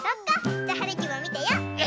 じゃはるきもみてよう！